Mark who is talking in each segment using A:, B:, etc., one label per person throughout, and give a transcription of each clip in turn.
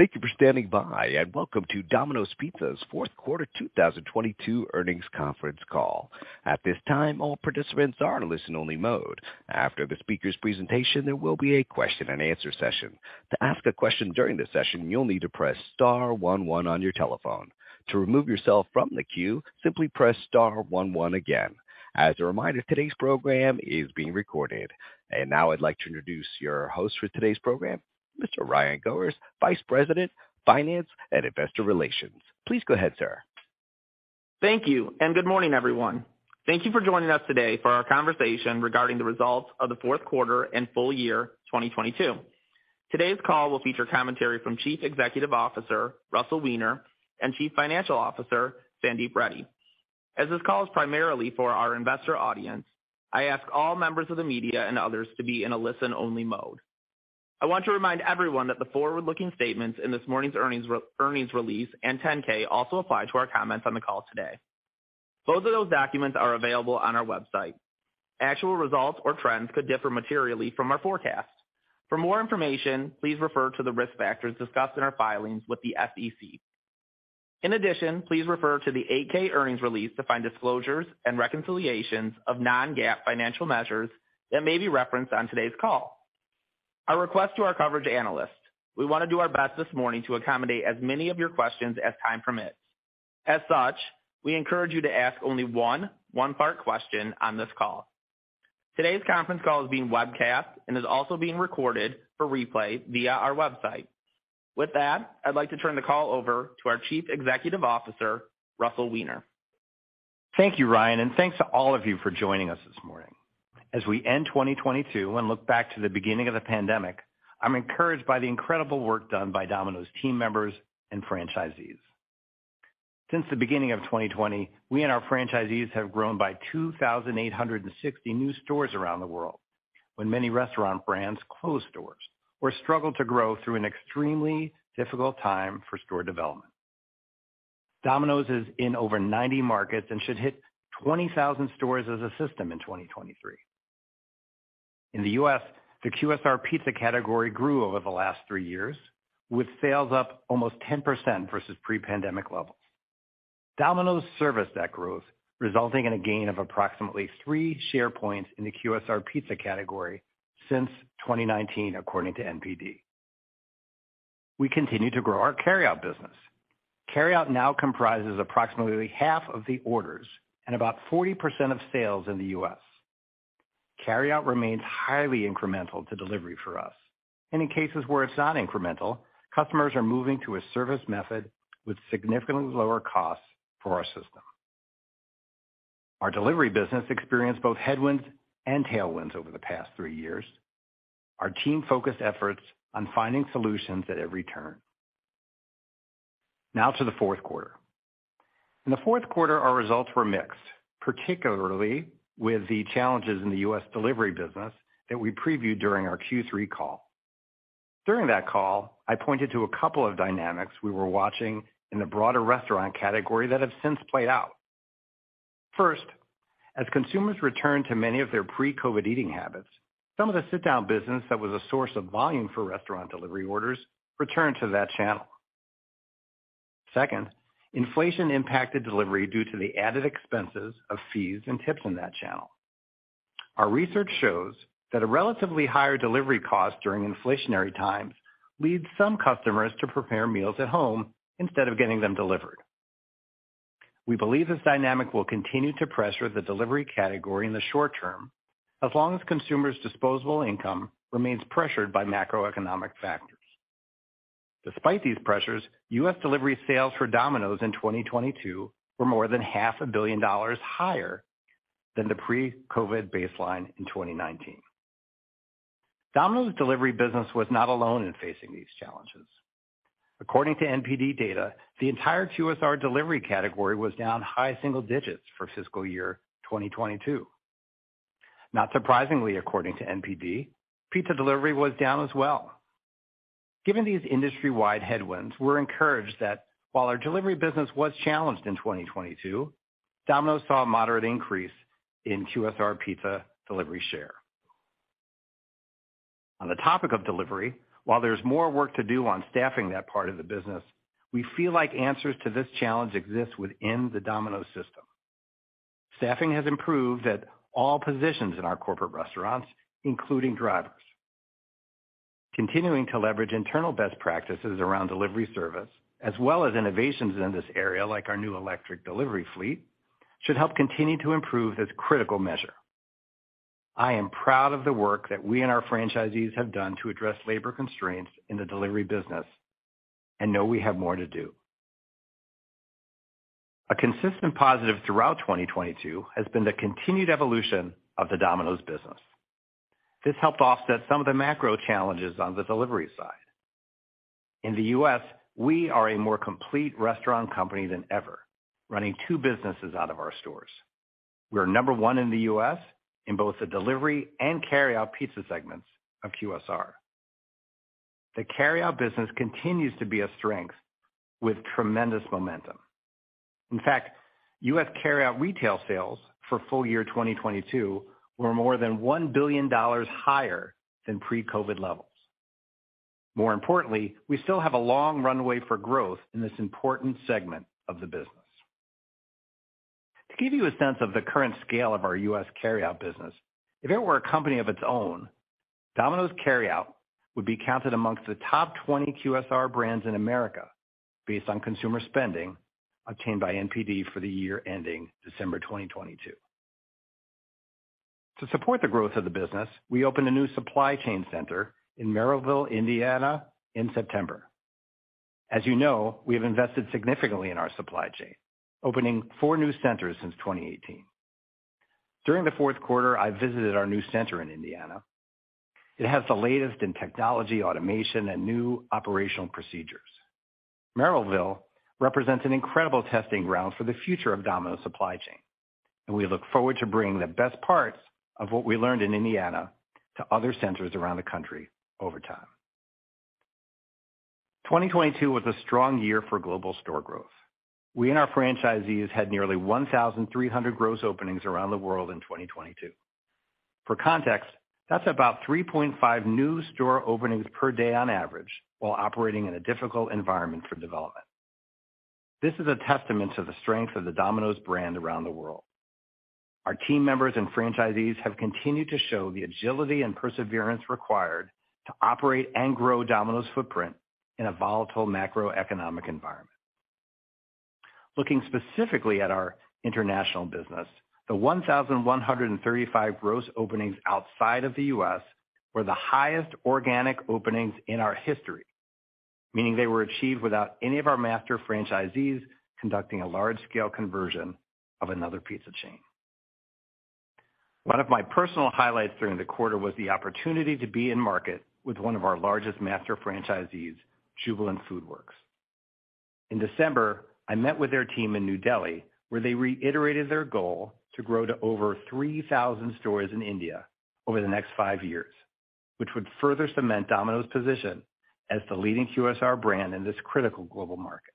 A: Thank you for standing by. Welcome to Domino's Pizza's fourth quarter 2022 earnings conference call. At this time, all participants are in a listen only mode. After the speaker's presentation, there will be a question and answer session. To ask a question during the session, you'll need to press star one one on your telephone. To remove yourself from the queue, simply press star one one again. As a reminder, today's program is being recorded. Now I'd like to introduce your host for today's program, Mr. Ryan Goers, Vice President, Finance and Investor Relations. Please go ahead, sir.
B: Thank you. Good morning, everyone. Thank you for joining us today for our conversation regarding the results of the fourth quarter and full year 2022. Today's call will feature commentary from Chief Executive Officer Russell Weiner and Chief Financial Officer Sandeep Reddy. As this call is primarily for our investor audience, I ask all members of the media and others to be in a listen-only mode. I want to remind everyone that the forward-looking statements in this morning's earnings release and 10-K also apply to our comments on the call today. Both of those documents are available on our website. Actual results or trends could differ materially from our forecast. For more information, please refer to the risk factors discussed in our filings with the SEC. In addition, please refer to the 8-K earnings release to find disclosures and reconciliations of non-GAAP financial measures that may be referenced on today's call. Our request to our coverage analysts. We want to do our best this morning to accommodate as many of your questions as time permits. As such, we encourage you to ask only one one-part question on this call. Today's conference call is being webcast and is also being recorded for replay via our website. With that, I'd like to turn the call over to our Chief Executive Officer, Russell Weiner.
C: Thank you, Ryan, and thanks to all of you for joining us this morning. As we end 2022 and look back to the beginning of the pandemic, I'm encouraged by the incredible work done by Domino's team members and franchisees. Since the beginning of 2020, we and our franchisees have grown by 2,860 new stores around the world. When many restaurant brands closed stores or struggled to grow through an extremely difficult time for store development. Domino's is in over 90 markets and should hit 20,000 stores as a system in 2023. In the U.S., the QSR pizza category grew over the last three years, with sales up almost 10% versus pre-pandemic levels. Domino's serviced that growth, resulting in a gain of approximately three share points in the QSR pizza category since 2019, according to NPD. We continue to grow our carryout business. Carryout now comprises approximately half of the orders and about 40% of sales in the U.S. Carryout remains highly incremental to delivery for us, and in cases where it's not incremental, customers are moving to a service method with significantly lower costs for our system. Our delivery business experienced both headwinds and tailwinds over the past three years. Our team focused efforts on finding solutions at every turn. Now to the fourth quarter. In the fourth quarter, our results were mixed, particularly with the challenges in the U.S. delivery business that we previewed during our Q three call. During that call, I pointed to a couple of dynamics we were watching in the broader restaurant category that have since played out. First, as consumers return to many of their pre-COVID eating habits, some of the sit-down business that was a source of volume for restaurant delivery orders returned to that channel. Second, inflation impacted delivery due to the added expenses of fees and tips in that channel. Our research shows that a relatively higher delivery cost during inflationary times leads some customers to prepare meals at home instead of getting them delivered. We believe this dynamic will continue to pressure the delivery category in the short term as long as consumers' disposable income remains pressured by macroeconomic factors. Despite these pressures, U.S. delivery sales for Domino's in 2022 were more than half a billion dollars higher than the pre-COVID baseline in 2019. Domino's delivery business was not alone in facing these challenges. According to NPD data, the entire QSR delivery category was down high single digits for fiscal year 2022. Not surprisingly, according to NPD, pizza delivery was down as well. Given these industry-wide headwinds, we're encouraged that while our delivery business was challenged in 2022, Domino's saw a moderate increase in QSR pizza delivery share. On the topic of delivery, while there's more work to do on staffing that part of the business, we feel like answers to this challenge exist within the Domino system. Staffing has improved at all positions in our corporate restaurants, including drivers. Continuing to leverage internal best practices around delivery service as well as innovations in this area, like our new electric delivery fleet, should help continue to improve this critical measure. I am proud of the work that we and our franchisees have done to address labor constraints in the delivery business and know we have more to do. A consistent positive throughout 2022 has been the continued evolution of the Domino's business. This helped offset some of the macro challenges on the delivery side. In the U.S., we are a more complete restaurant company than ever, running two businesses out of our stores. We are number one in the U.S. in both the delivery and carryout pizza segments of QSR. The carryout business continues to be a strength with tremendous momentum. In fact, U.S. carryout retail sales for full year 2022 were more than $1 billion higher than pre-COVID levels. More importantly, we still have a long runway for growth in this important segment of the business. To give you a sense of the current scale of our U.S. carryout business, if it were a company of its own, Domino's carryout would be counted amongst the top 20 QSR brands in America based on consumer spending obtained by NPD for the year ending December 2022. To support the growth of the business, we opened a new supply chain center in Merrillville, Indiana in September. As you know, we have invested significantly in our supply chain, opening four new centers since 2018. During the fourth quarter, I visited our new center in Indiana. It has the latest in technology, automation, and new operational procedures. Merrillville represents an incredible testing ground for the future of Domino's supply chain, and we look forward to bringing the best parts of what we learned in Indiana to other centers around the country over time. 2022 was a strong year for global store growth. We and our franchisees had nearly 1,300 gross openings around the world in 2022. For context, that's about 3.5 new store openings per day on average while operating in a difficult environment for development. This is a testament to the strength of the Domino's brand around the world. Our team members and franchisees have continued to show the agility and perseverance required to operate and grow Domino's footprint in a volatile macroeconomic environment. Looking specifically at our international business, the 1,135 gross openings outside of the U.S. were the highest organic openings in our history, meaning they were achieved without any of our master franchisees conducting a large-scale conversion of another pizza chain. One of my personal highlights during the quarter was the opportunity to be in market with one of our largest master franchisees, Jubilant FoodWorks. In December, I met with their team in New Delhi, where they reiterated their goal to grow to over 3,000 stores in India over the next five years, which would further cement Domino's position as the leading QSR brand in this critical global market.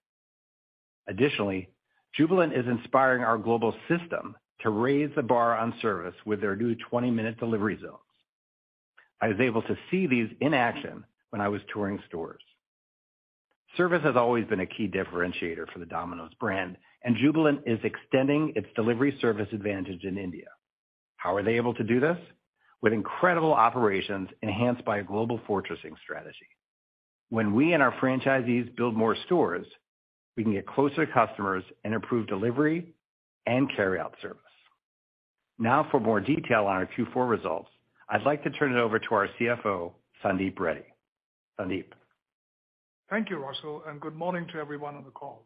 C: Jubilant is inspiring our global system to raise the bar on service with their new 20-minute delivery zones. I was able to see these in action when I was touring stores. Service has always been a key differentiator for the Domino's brand, and Jubilant is extending its delivery service advantage in India. How are they able to do this? With incredible operations enhanced by a global fortressing strategy. When we and our franchisees build m ore stores, we can get closer to customers and improve delivery and carryout service. For more detail on our Q4 results, I'd like to turn it over to our CFO, Sandeep Reddy. Sandeep.
D: Thank you, Russell, and good morning to everyone on the call.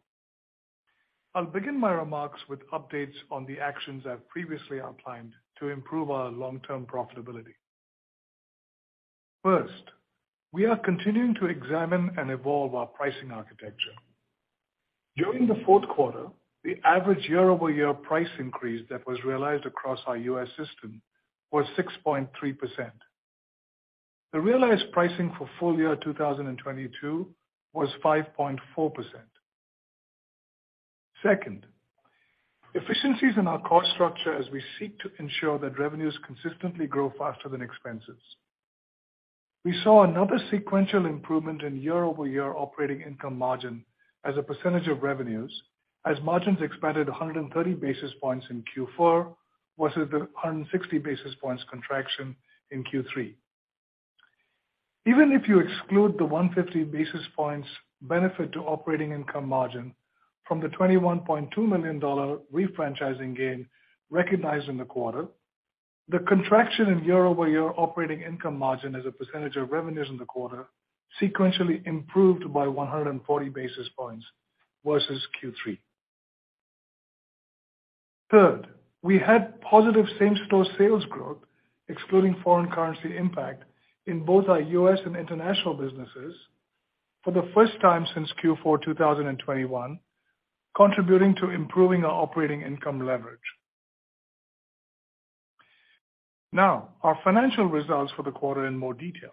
D: I'll begin my remarks with updates on the actions I've previously outlined to improve our long-term profitability. First, we are continuing to examine and evolve our pricing architecture. During the fourth quarter, the average year-over-year price increase that was realized across our U.S. system was 6.3%. The realized pricing for full year 2022 was 5.4%. Second, efficiencies in our cost structure as we seek to ensure that revenues consistently grow faster than expenses. We saw another sequential improvement in year-over-year operating income margin as a percentage of revenues, as margins expanded 130 basis points in Q4 versus the 160 basis points contraction in Q3. Even if you exclude the 150 basis points benefit to operating income margin from the $21.2 million refranchising gain recognized in the quarter, the contraction in year-over-year operating income margin as a percentage of revenues in the quarter sequentially improved by 140 basis points versus Q3. Third, we had positive same-store sales growth, excluding foreign currency impact, in both our U.S. and international businesses for the first time since Q4 2021, contributing to improving our operating income leverage. Our financial results for the quarter in more detail.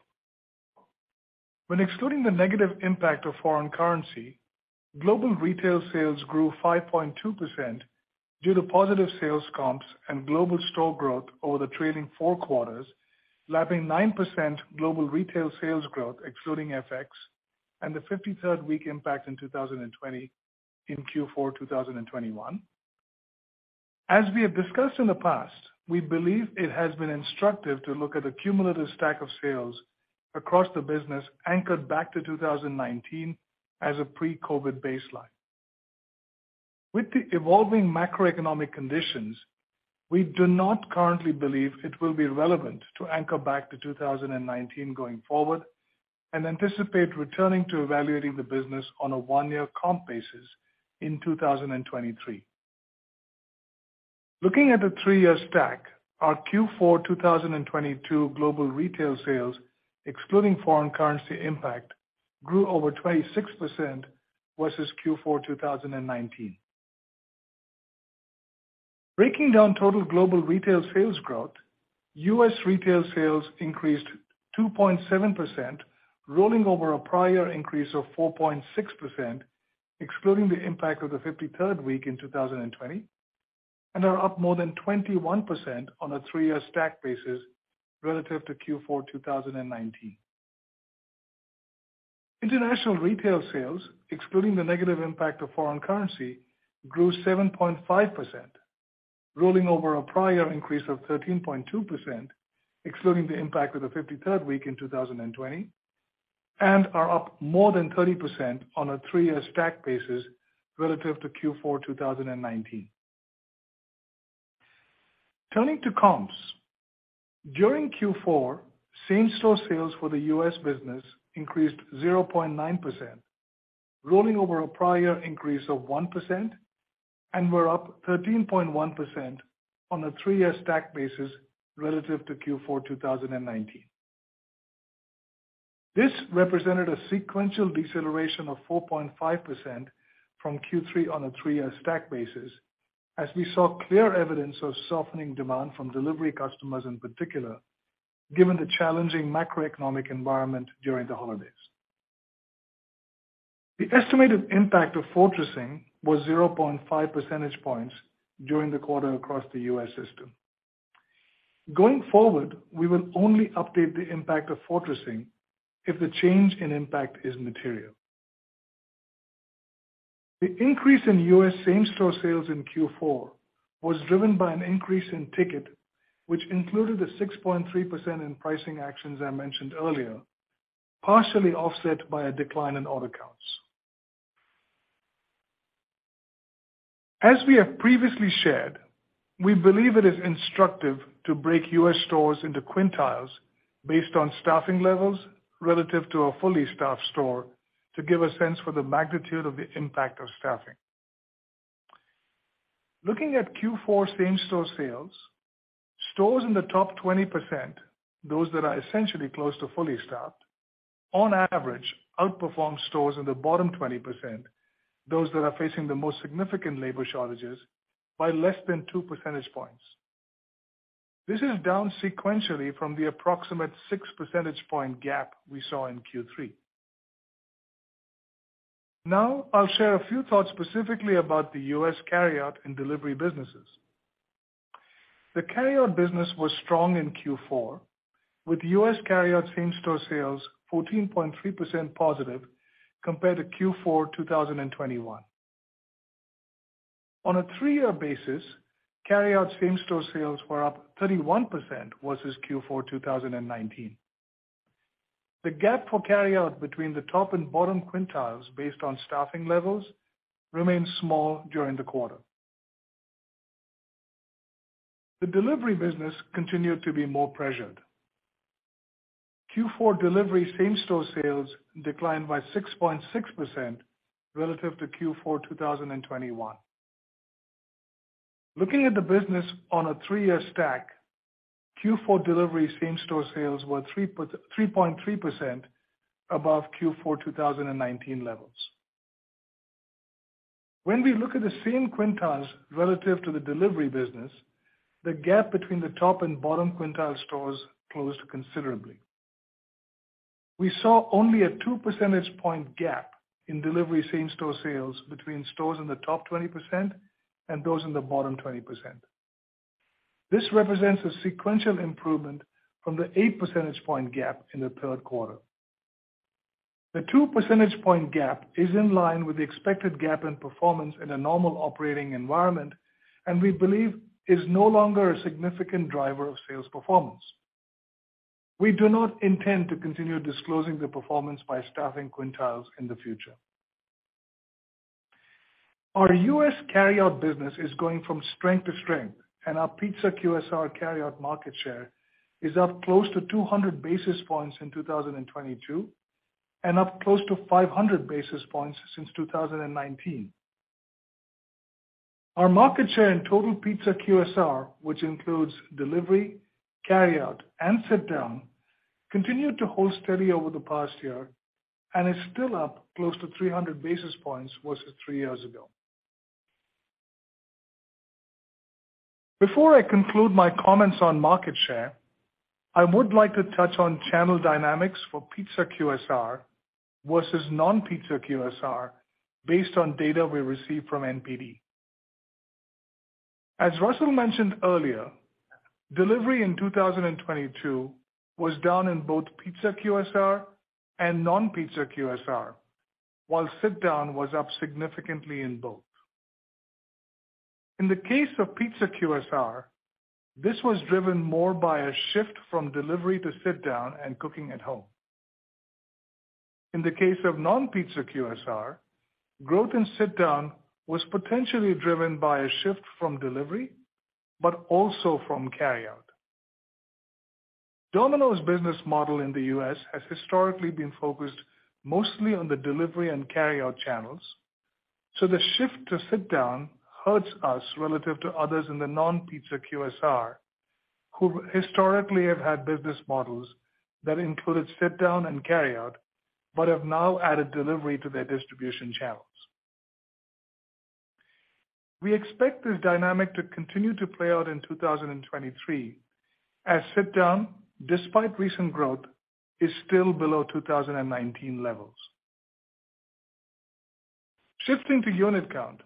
D: When excluding the negative impact of foreign currency, global retail sales grew 5.2% due to positive sales comps and global store growth over the trailing four quarters, lapping 9% global retail sales growth excluding FX and the fifty-third week impact in 2020 in Q4 2021. As we have discussed in the past, we believe it has been instructive to look at the cumulative stack of sales across the business anchored back to 2019 as a pre-COVID baseline. With the evolving macroeconomic conditions, we do not currently believe it will be relevant to anchor back to 2019 going forward and anticipate returning to evaluating the business on a one-year comp basis in 2023. Looking at the three-year stack, our Q4 2022 global retail sales, excluding foreign currency impact, grew over 26% versus Q4 2019. Breaking down total global retail sales growth, U.S. retail sales increased 2.7%, rolling over a prior increase of 4.6%, excluding the impact of the 53rd week in 2020, and are up more than 21% on a three-year stack basis relative to Q4 2019. International retail sales, excluding the negative impact of foreign currency, grew 7.5%, rolling over a prior increase of 13.2%, excluding the impact of the 53rd week in 2020, and are up more than 30% on a three-year stack basis relative to Q4 2019. Turning to comps. During Q4, same-store sales for the U.S. business increased 0.9%, rolling over a prior increase of 1% and were up 13.1% on a three-year stack basis relative to Q4, 2019. This represented a sequential deceleration of 4.5% from Q3 on a three-year stack basis as we saw clear evidence of softening demand from delivery customers in particular, given the challenging macroeconomic environment during the holidays. The estimated impact of fortressing was 0.5 percentage points during the quarter across the US system. Going forward, we will only update the impact of fortressing if the change in impact is material. The increase in U.S. same-store sales in Q4 was driven by an increase in ticket, which included a 6.3% in pricing actions I mentioned earlier, partially offset by a decline in order counts. As we have previously shared, we believe it is instructive to break U.S. stores into quintiles based on staffing levels relative to a fully staffed store to give a sense for the magnitude of the impact of staffing. Looking at Q4 same-store sales, stores in the top 20%, those that are essentially close to fully staffed, on average, outperformed stores in the bottom 20%, those that are facing the most significant labor shortages by less than 2 percentage points. This is down sequentially from the approximate 6 percentage point gap we saw in Q3. I'll share a few thoughts specifically about the U.S. carryout and delivery businesses. The carryout business was strong in Q4, with U.S. carryout same-store sales 14.3% positive compared to Q4, 2021. On a three-year basis, carryout same-store sales were up 31% versus Q4 2019. The gap for carryout between the top and bottom quintiles based on staffing levels remained small during the quarter. The delivery business continued to be more pressured. Q4 delivery same-store sales declined by 6.6% relative to Q4 2021. Looking at the business on a three-year stack, Q4 delivery same-store sales were 3.3% above Q4 2019 levels. When we look at the same quintiles relative to the delivery business, the gap between the top and bottom quintile stores closed considerably. We saw only a two percentage point gap in delivery same-store sales between stores in the top 20% and those in the bottom 20%. This represents a sequential improvement from the eight percentage point gap in the third quarter. The 2 percentage point gap is in line with the expected gap in performance in a normal operating environment, and we believe is no longer a significant driver of sales performance. We do not intend to continue disclosing the performance by staffing quintiles in the future. Our U.S. carryout business is going from strength to strength, and our pizza QSR carryout market share is up close to 200 basis points in 2022 and up close to 500 basis points since 2019. Our market share in total pizza QSR, which includes delivery, carryout, and sit-down, continued to hold steady over the past year and is still up close to 300 basis points versus three years ago. Before I conclude my comments on market share, I would like to touch on channel dynamics for pizza QSR versus non-pizza QSR based on data we received from NPD. As Russell mentioned earlier, delivery in 2022 was down in both pizza QSR and non-pizza QSR, while sit down was up significantly in both. In the case of pizza QSR, this was driven more by a shift from delivery to sit down and cooking at home. In the case of non-pizza QSR, growth in sit down was potentially driven by a shift from delivery, but also from carryout. Domino's business model in the U.S. has historically been focused mostly on the delivery and carryout channels, the shift to sit down hurts us relative to others in the non-pizza QSR, who historically have had business models that included sit-down and carry out, but have now added delivery to their distribution channels. We expect this dynamic to continue to play out in 2023 as sit-down, despite recent growth, is still below 2019 levels. Shifting to unit count.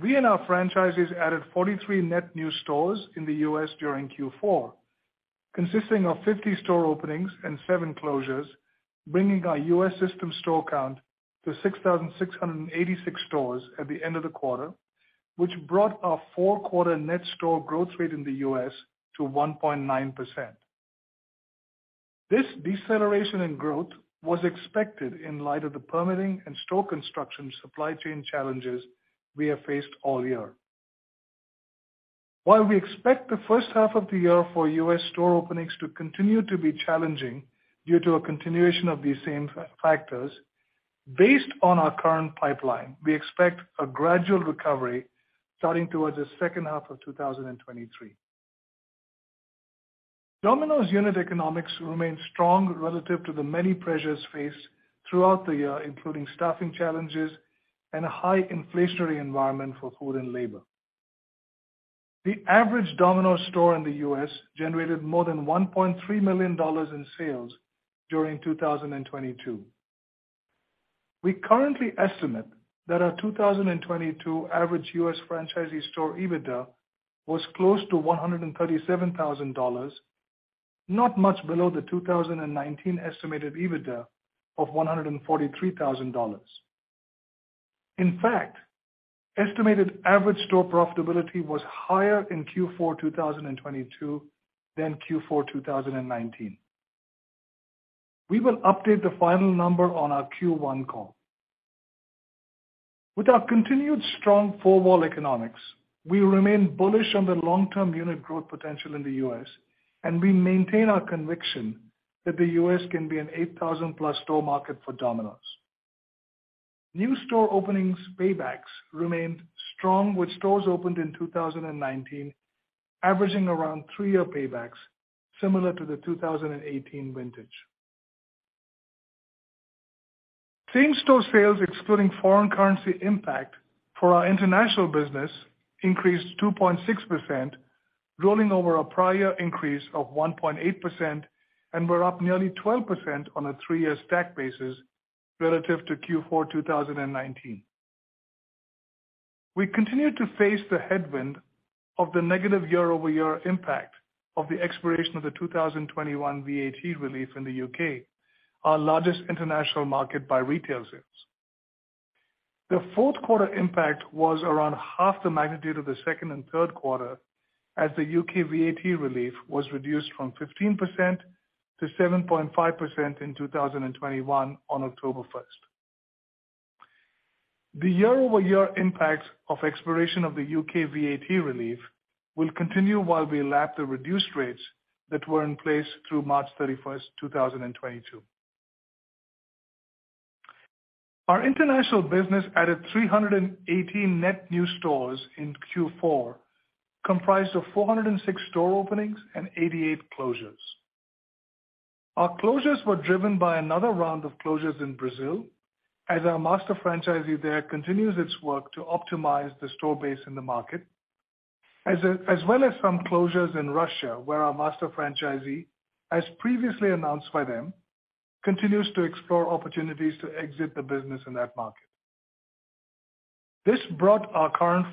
D: We and our franchises added 43 net new stores in the U.S. during Q4, consisting of 50 store openings and seven closures, bringing our U.S. system store count to 6,686 stores at the end of the quarter, which brought our four-quarter net store growth rate in the U.S. to 1.9%. This deceleration in growth was expected in light of the permitting and store construction supply chain challenges we have faced all year. We expect the first half of the year for U.S. store openings to continue to be challenging due to a continuation of these same factors, based on our current pipeline, we expect a gradual recovery starting towards the second half of 2023. Domino's unit economics remain strong relative to the many pressures faced throughout the year, including staffing challenges and a high inflationary environment for food and labor. The average Domino's store in the U.S. generated more than $1.3 million in sales during 2022. We currently estimate that our 2022 average US franchisee store EBITDA was close to $137,000, not much below the 2019 estimated EBITDA of $143,000. In fact, estimated average store profitability was higher in Q4 2022 than Q4 2019. We will update the final number on our Q1 call. With our continued strong four wall economics, we remain bullish on the long-term unit growth potential in the U.S., and we maintain our conviction that the U.S. can be an 8,000+ store market for Domino's. New store openings paybacks remained strong, with stores opened in 2019 averaging around 3-year paybacks, similar to the 2018 vintage. Same-store sales excluding foreign currency impact for our international business increased 2.6%, rolling over a prior increase of 1.8%, and were up nearly 12% on a three-year stack basis relative to Q4 2019. We continue to face the headwind of the negative year-over-year impact of the expiration of the 2021 VAT relief in the U.K., our largest international market by retail sales. The fourth quarter impact was around half the magnitude of the second and third quarter as the U.K. VAT relief was reduced from 15% to 7.5% in 2021 on October 1st. The year-over-year impact of expiration of the U.K. VAT relief will continue while we lap the reduced rates that were in place through March 31st, 2022. Our international business added 318 net new stores in Q4, comprised of 406 store openings and 88 closures. Our closures were driven by another round of closures in Brazil as our master franchisee there continues its work to optimize the store base in the market, as well as some closures in Russia, where our master franchisee, as previously announced by them, continues to explore opportunities to exit the business in that market. This brought our current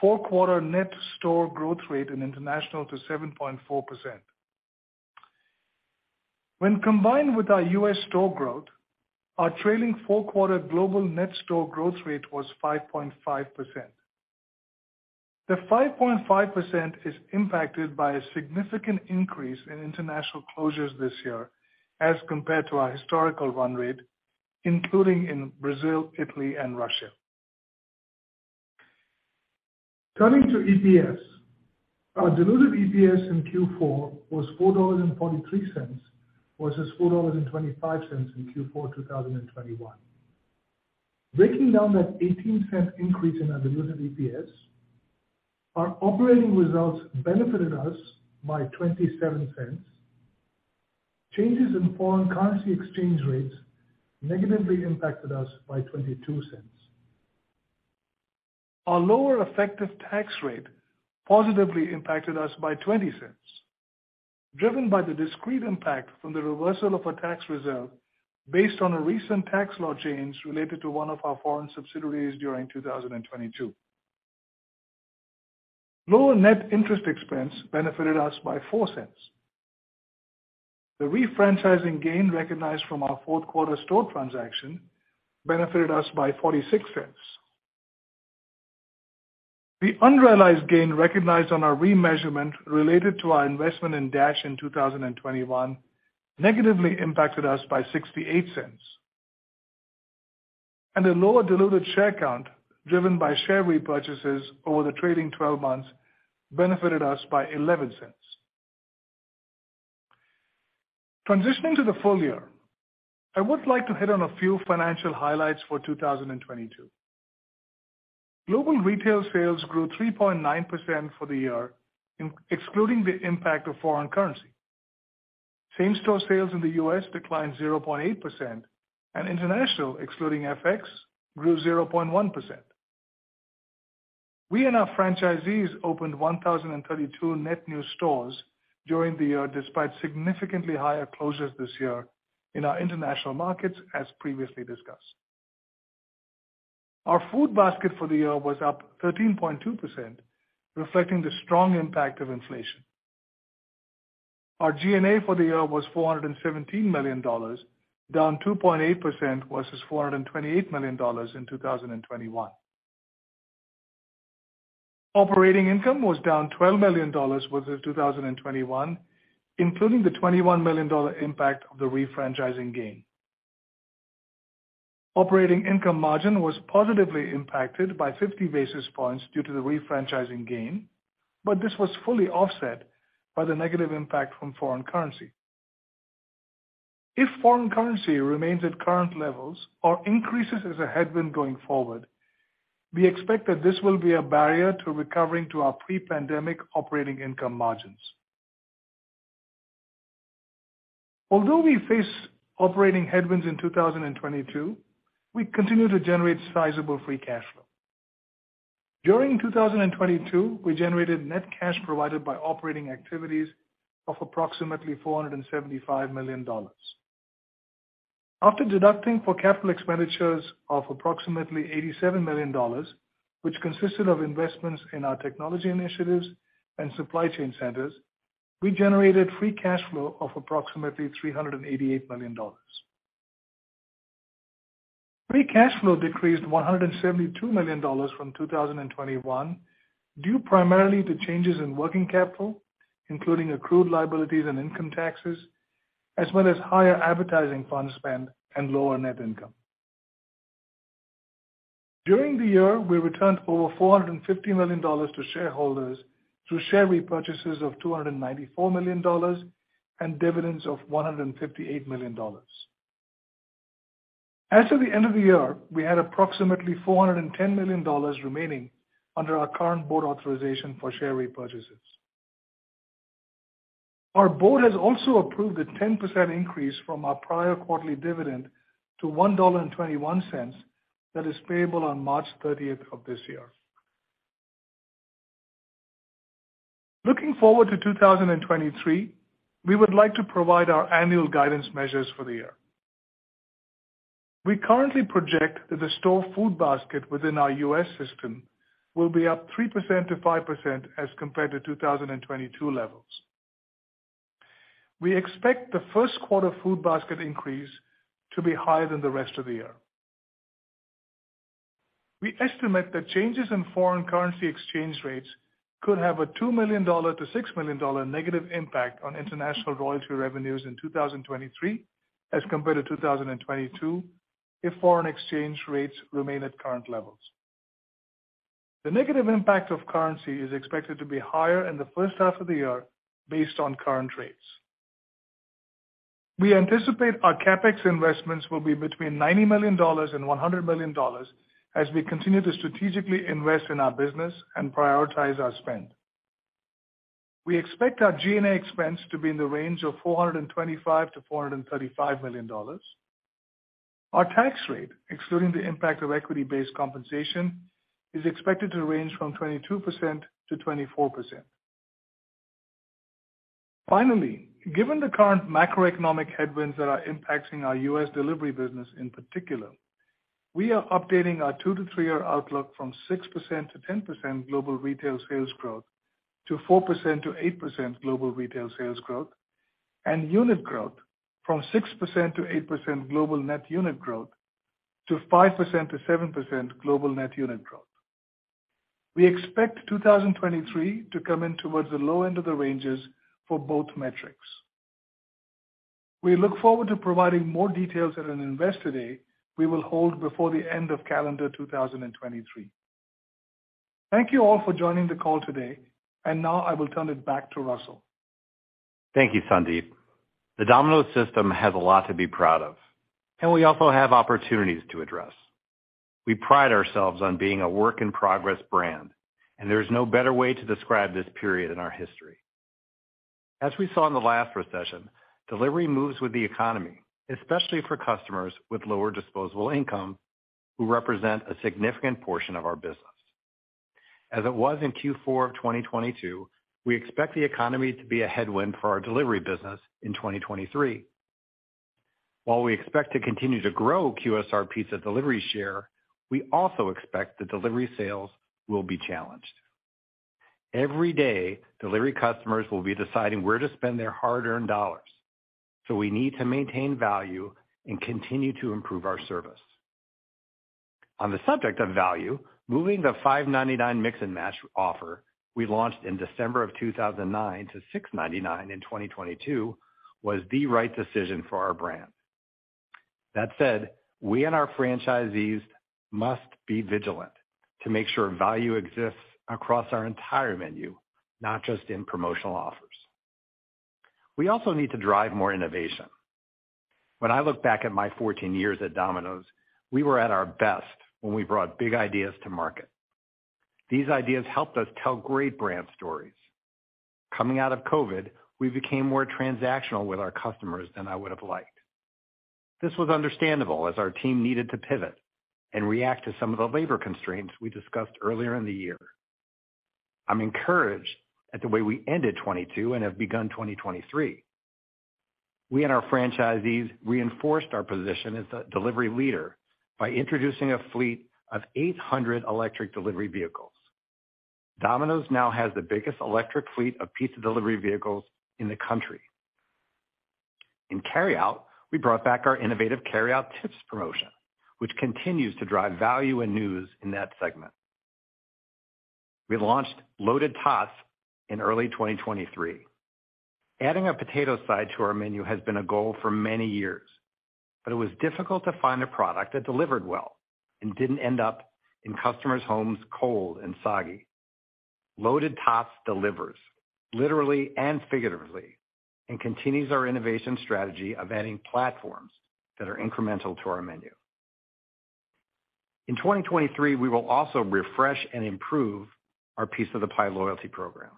D: four-quarter net store growth rate in international to 7.4%. Combined with our U.S. store growth, our trailing four-quarter global net store growth rate was 5.5%. The 5.5% is impacted by a significant increase in international closures this year as compared to our historical run rate, including in Brazil, Italy, and Russia. Turning to EPS. Our diluted EPS in Q4 was $4.43 versus $4.25 in Q4 2021. Breaking down that $0.18 increase in our diluted EPS, our operating results benefited us by $0.27. Changes in foreign currency exchange rates negatively impacted us by $0.22. Our lower effective tax rate positively impacted us by $0.20, driven by the discrete impact from the reversal of a tax reserve based on a recent tax law change related to one of our foreign subsidiaries during 2022. Lower net interest expense benefited us by $0.04. The refranchising gain recognized from our fourth quarter store transaction benefited us by $0.46. The unrealized gain recognized on our remeasurement related to our investment in Dash in 2021 negatively impacted us by $0.68. The lower diluted share count, driven by share repurchases over the trading 12 months, benefited us by $0.11. Transitioning to the full year, I would like to hit on a few financial highlights for 2022. Global retail sales grew 3.9% for the year, excluding the impact of foreign currency. Same-store sales in the U.S. declined 0.8% and international, excluding FX, grew 0.1%. We and our franchisees opened 1,032 net new stores during the year, despite significantly higher closures this year in our international markets, as previously discussed. Our food basket for the year was up 13.2%, reflecting the strong impact of inflation. Our G&A for the year was $417 million, down 2.8% versus $428 million in 2021. Operating income was down $12 million versus 2021, including the $21 million impact of the refranchising gain. Operating income margin was positively impacted by 50 basis points due to the refranchising gain, this was fully offset by the negative impact from foreign currency. If foreign currency remains at current levels or increases as a headwind going forward, we expect that this will be a barrier to recovering to our pre-pandemic operating income margins. Although we face operating headwinds in 2022, we continue to generate sizable free cash flow. During 2022, we generated net cash provided by operating activities of approximately $475 million. After deducting for CapEx of approximately $87 million, which consisted of investments in our technology initiatives and supply chain centers, we generated free cash flow of approximately $388 million. Free cash flow decreased $172 million from 2021, due primarily to changes in working capital, including accrued liabilities and income taxes, as well as higher advertising fund spend and lower net income. During the year, we returned over $450 million to shareholders through share repurchases of $294 million and dividends of $158 million. As of the end of the year, we had approximately $410 million remaining under our current board authorization for share repurchases. Our board has also approved a 10% increase from our prior quarterly dividend to $1.21 that is payable on March 30th of this year. Looking forward to 2023, we would like to provide our annual guidance measures for the year. We currently project that the store food basket within our U.S. system will be up 3%-5% as compared to 2022 levels. We expect the first quarter food basket increase to be higher than the rest of the year. We estimate that changes in foreign currency exchange rates could have a $2 million-$6 million negative impact on international royalty revenues in 2023, as compared to 2022, if foreign exchange rates remain at current levels. The negative impact of currency is expected to be higher in the first half of the year based on current rates. We anticipate our CapEx investments will be between $90 million and $100 million as we continue to strategically invest in our business and prioritize our spend. We expect our G&A expense to be in the range of $425 million-$435 million. Our tax rate, excluding the impact of equity-based compensation, is expected to range from 22%-24%. Finally, given the current macroeconomic headwinds that are impacting our U.S. Delivery business in particular, we are updating our 2-3 year outlook from 6%-10% global retail sales growth to 4%-8% global retail sales growth and unit growth from 6%-8% global net unit growth to 5%-7% global net unit growth. We expect 2023 to come in towards the low end of the ranges for both metrics. We look forward to providing more details at an Investor Day we will hold before the end of calendar 2023. Thank you all for joining the call today. Now I will turn it back to Russell.
C: Thank you, Sandeep. The Domino's system has a lot to be proud of. We also have opportunities to address. We pride ourselves on being a work in progress brand. There is no better way to describe this period in our history. As we saw in the last recession, delivery moves with the economy, especially for customers with lower disposable income who represent a significant portion of our business. As it was in Q4 of 2022, we expect the economy to be a headwind for our delivery business in 2023. While we expect to continue to grow QSR pizza delivery share, we also expect that delivery sales will be challenged. Every day, delivery customers will be deciding where to spend their hard-earned dollars. We need to maintain value and continue to improve our service. On the subject of value, moving the $5.99 Mix & Match offer we launched in December of 2009 to $6.99 in 2022 was the right decision for our brand. That said, we and our franchisees must be vigilant to make sure value exists across our entire menu, not just in promotional offers. We also need to drive more innovation. When I look back at my 14 years at Domino's, we were at our best when we brought big ideas to market. These ideas helped us tell great brand stories. Coming out of COVID, we became more transactional with our customers than I would have liked. This was understandable as our team needed to pivot and react to some of the labor constraints we discussed earlier in the year. I'm encouraged at the way we ended 2022 and have begun 2023. We and our franchisees reinforced our position as a delivery leader by introducing a fleet of 800 electric delivery vehicles. Domino's now has the biggest electric fleet of pizza delivery vehicles in the country. In carryout, we brought back our innovative carryout tips promotion, which continues to drive value and news in that segment. We launched Loaded Tots in early 2023. Adding a potato side to our menu has been a goal for many years, it was difficult to find a product that delivered well and didn't end up in customers' homes cold and soggy. Loaded Tots delivers literally and figuratively and continues our innovation strategy of adding platforms that are incremental to our menu. In 2023, we will also refresh and improve our Piece of the Pie loyalty program.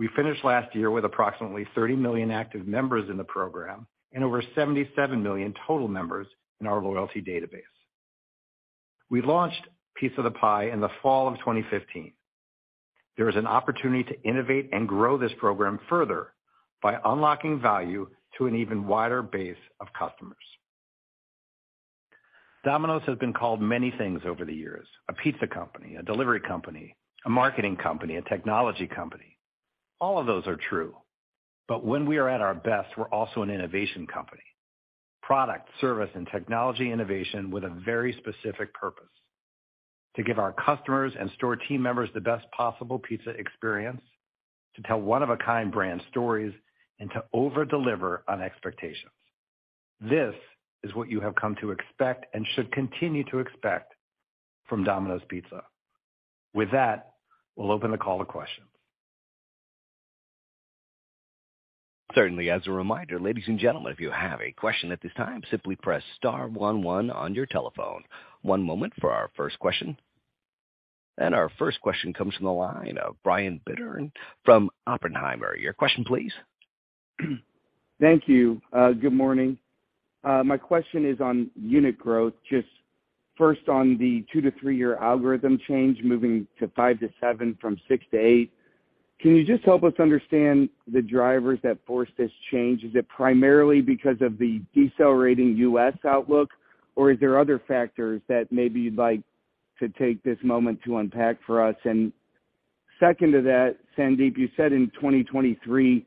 C: We finished last year with approximately 30 million active members in the program and over 77 million total members in our loyalty database. We launched Pizza of the Pie in the fall of 2015. There is an opportunity to innovate and grow this program further by unlocking value to an even wider base of customers. Domino's has been called many things over the years. A pizza company, a delivery company, a marketing company, a technology company. All of those are true. When we are at our best, we're also an innovation company. Product, service and technology innovation with a very specific purpose, to give our customers and store team members the best possible pizza experience, to tell one of a kind brand stories and to over deliver on expectations. This is what you have come to expect and should continue to expect from Domino's Pizza. With that, we'll open the call to questions.
A: Certainly. As a reminder, ladies and gentlemen, if you have a question at this time, simply press star 11 on your telephone. One moment for our first question. Our first question comes from the line of Brian Bittner from Oppenheimer. Your question, please.
E: Thank you. Good morning. My question is on unit growth. Just first on the 2-3-year algorithm change, moving to 5-7 from 6-8. Can you just help us understand the drivers that forced this change? Is it primarily because of the decelerating U.S. outlook, or is there other factors that maybe you'd like to take this moment to unpack for us? Second to that, Sandeep, you said in 2023,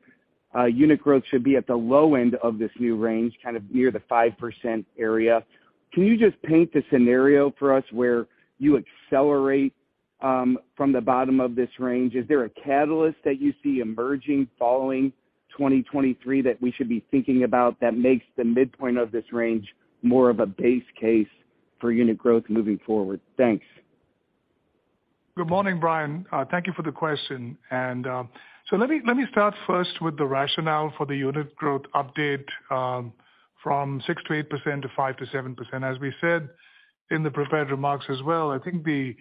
E: unit growth should be at the low end of this new range, kind of near the 5% area. Can you just paint the scenario for us where you accelerate from the bottom of this range? Is there a catalyst that you see emerging following 2023 that we should be thinking about that makes the midpoint of this range more of a base case for unit growth moving forward? Thanks.
D: Good morning, Brian. Thank you for the question. Let me start first with the rationale for the unit growth update from 6%-8% to 5%-7%. As we said in the prepared remarks as well, I think the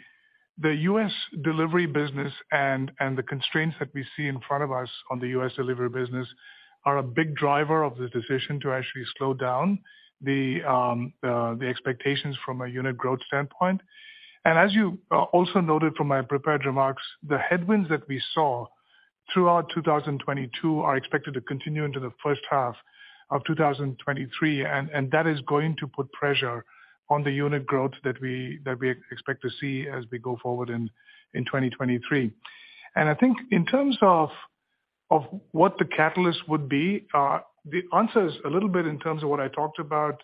D: U.S. delivery business and the constraints that we see in front of us on the U.S. delivery business are a big driver of the decision to actually slow down the expectations from a unit growth standpoint. As you also noted from my prepared remarks, the headwinds that we saw throughout 2022 are expected to continue into the first half of 2023, and that is going to put pressure on the unit growth that we expect to see as we go forward in 2023. I think in terms of what the catalyst would be, the answer is a little bit in terms of what I talked about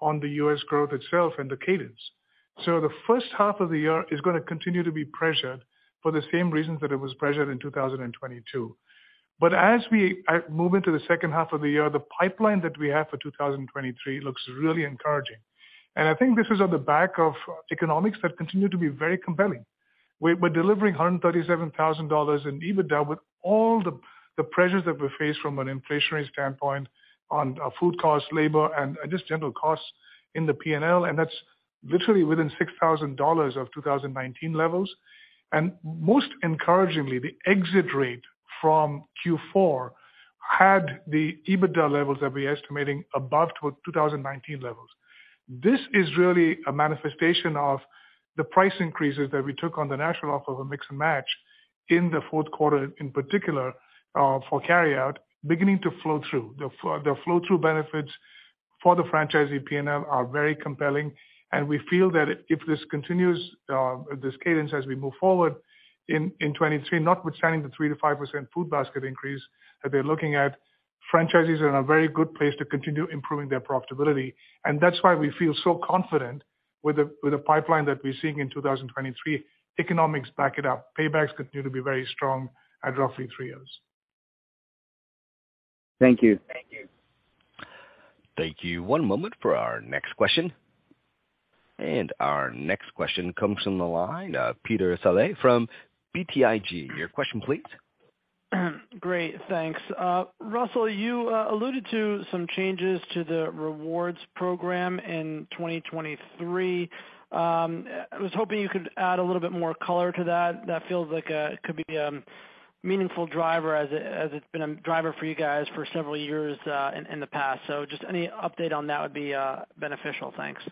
D: on the U.S. growth itself and the cadence. The first half of the year is gonna continue to be pressured for the same reasons that it was pressured in 2022. As we move into the second half of the year, the pipeline that we have for 2023 looks really encouraging. I think this is on the back of economics that continue to be very compelling. We're delivering $137,000 in EBITDA with all the pressures that we face from an inflationary standpoint on food costs, labor and just general costs in the P&L, and that's literally within $6,000 of 2019 levels. Most encouragingly, the exit rate from Q4 had the EBITDA levels that we're estimating above to our 2019 levels. This is really a manifestation of the price increases that we took on the national offer of Mix & Match in the fourth quarter, in particular, for carryout beginning to flow through. The flow through benefits for the franchisee P&L are very compelling, and we feel that if this continues, this cadence as we move forward in 23, notwithstanding the 3%-5% food basket increase that they're looking at, franchisees are in a very good place to continue improving their profitability. That's why we feel so confident with the pipeline that we're seeing in 2023. Economics back it up. Paybacks continue to be very strong at roughly three years.
E: Thank you.
A: Thank you. One moment for our next question. Our next question comes from the line, Peter Saleh from BTIG. Your question please.
F: Great, thanks. Russell, you alluded to some changes to the rewards program in 2023. I was hoping you could add a little bit more color to that. That feels like it could be meaningful driver as it's been a driver for you guys for several years in the past. Just any update on that would be beneficial. Thanks.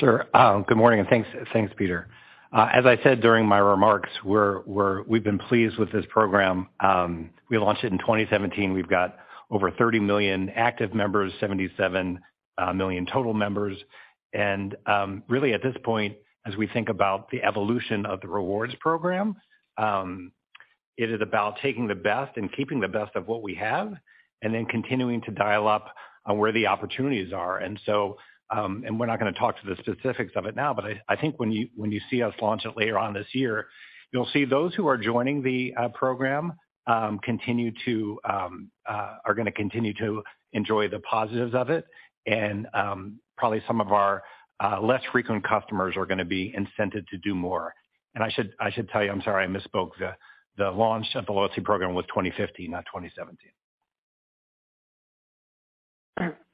C: Sure. Good morning, thanks, Peter. As I said during my remarks, we've been pleased with this program. We launched it in 2017. We've got over 30 million active members, 77 million total members. Really at this point, as we think about the evolution of the rewards program, it is about taking the best and keeping the best of what we have, continuing to dial up on where the opportunities are. We're not gonna talk to the specifics of it now, but I think when you see us launch it later on this year, you'll see those who are joining the program are gonna continue to enjoy the positives of it. Probably some of our less frequent customers are gonna be incented to do more. I should tell you, I'm sorry, I misspoke. The launch of the loyalty program was 2015, not 2017.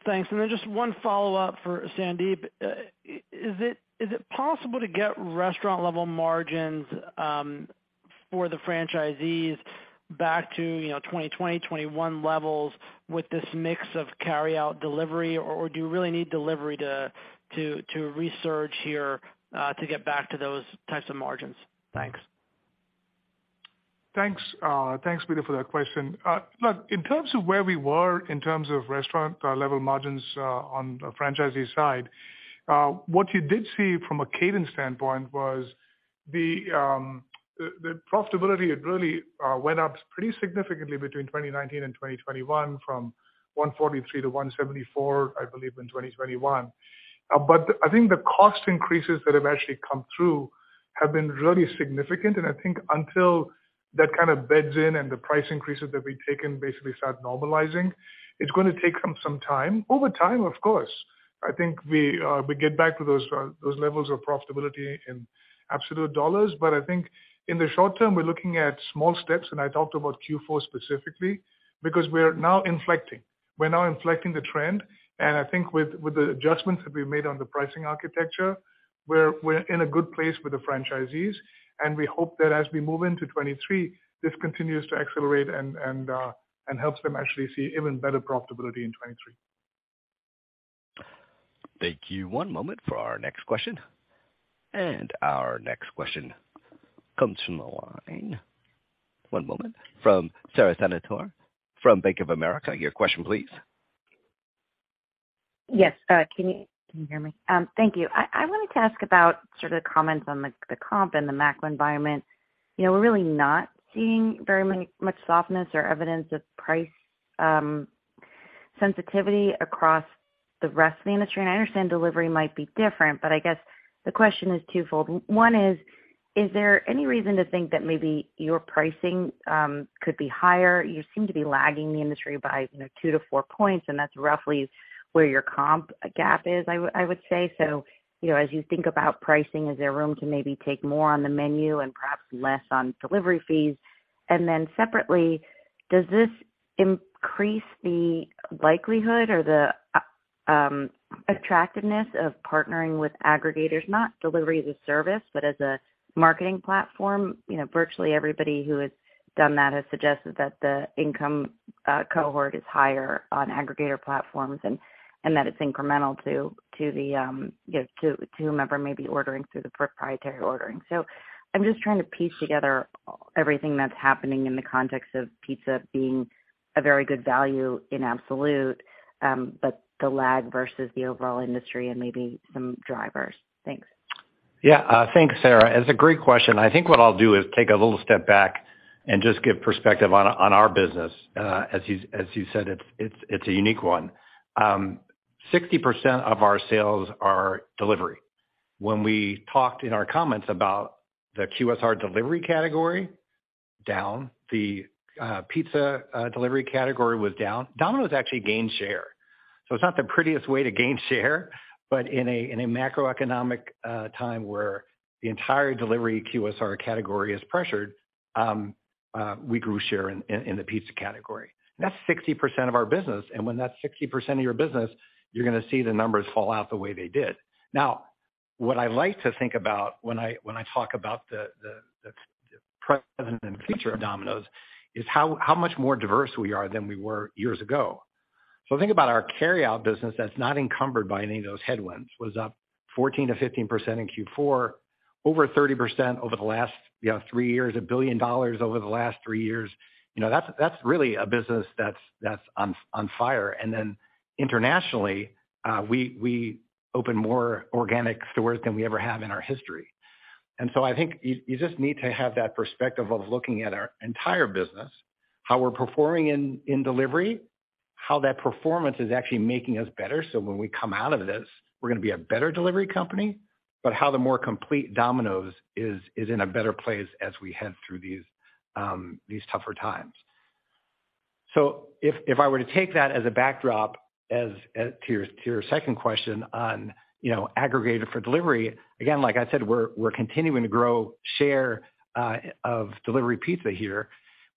F: Thanks. Just one follow-up for Sandeep. Is it possible to get restaurant-level margins for the franchisees back to, you know, 2020, 2021 levels with this mix of carryout delivery or do you really need delivery to research here, to get back to those types of margins? Thanks.
D: Thanks. Thanks, Peter, for that question. Look, in terms of where we were in terms of restaurant level margins on the franchisee side, what you did see from a cadence standpoint was the profitability had really went up pretty significantly between 2019 and 2021 from 143 to 174, I believe in 2021. I think the cost increases that have actually come through have been really significant. I think until that kind of beds in and the price increases that we've taken basically start normalizing, it's gonna take some time. Over time, of course, I think we get back to those levels of profitability in absolute dollars. I think in the short term, we're looking at small steps, and I talked about Q4 specifically because we're now inflecting. We're now inflecting the trend. I think with the adjustments that we made on the pricing architecture, we're in a good place with the franchisees, and we hope that as we move into 2023, this continues to accelerate and helps them actually see even better profitability in 2023.
A: Thank you. One moment for our next question. From Sara Senatore from Bank of America. Your question please.
G: Yes. Can you hear me? Thank you. I wanted to ask about sort of comments on the comp and the macro environment. You know, we're really not seeing much softness or evidence of price sensitivity across the rest of the industry. I understand delivery might be different, but I guess the question is twofold. One is there any reason to think that maybe your pricing could be higher? You seem to be lagging the industry by, you know, 2-4 points, and that's roughly where your comp gap is I would say. You know, as you think about pricing, is there room to maybe take more on the menu and perhaps less on delivery fees? Separately, does this increase the likelihood or the attractiveness of partnering with aggregators? Not delivery as a service, but as a marketing platform. You know, virtually everybody who has done that has suggested that the income cohort is higher on aggregator platforms and that it's incremental to the, you know, to whomever may be ordering through the proprietary ordering. I'm just trying to piece together everything that's happening in the context of pizza being a very good value in absolute, but the lag versus the overall industry and maybe some drivers. Thanks.
C: Thanks, Sara. It's a great question. I think what I'll do is take a little step back and just give perspective on our business. As you said, it's a unique one. 60% of our sales are delivery. When we talked in our comments about the QSR delivery category down, the pizza delivery category was down. Domino's actually gained share. It's not the prettiest way to gain share, but in a macroeconomic time where the entire delivery QSR category is pressured, we grew share in the pizza category. That's 60% of our business, and when that's 60% of your business, you're gonna see the numbers fall out the way they did. Now, what I like to think about when I talk about the present and future of Domino's is how much more diverse we are than we were years ago. Think about our carryout business that's not encumbered by any of those headwinds, was up 14%-15% in Q4, over 30% over the last, you know, three years, $1 billion over the last three years. You know, that's really a business that's on fire. Internationally, we opened more organic stores than we ever have in our history. I think you just need to have that perspective of looking at our entire business, how we're performing in delivery. How that performance is actually making us better. When we come out of this, we're gonna be a better delivery company. How the more complete Domino's is in a better place as we head through these tougher times. If I were to take that as a backdrop as to your second question on, you know, aggregator for delivery. Again, like I said, we're continuing to grow share of delivery pizza here.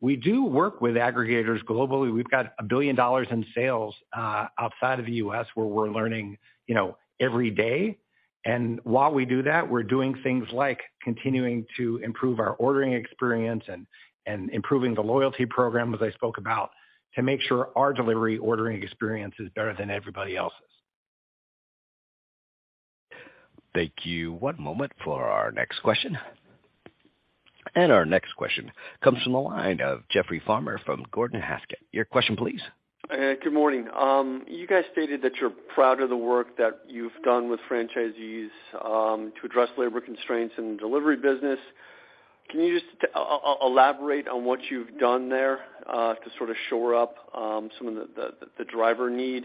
C: We do work with aggregators globally. We've got $1 billion in sales outside of the U.S., where we're learning, you know, every day. While we do that, we're doing things like continuing to improve our ordering experience and improving the loyalty program, as I spoke about, to make sure our delivery ordering experience is better than everybody else's.
A: Thank you. One moment for our next question. Our next question comes from the line of Jeffrey Farmer from Gordon Haskett. Your question please.
H: Good morning. You guys stated that you're proud of the work that you've done with franchisees to address labor constraints in delivery business. Can you just elaborate on what you've done there to sort of shore up some of the driver need?